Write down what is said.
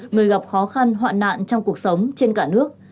người gặp khó khăn hoạn nạn trong cuộc sống trên cả nước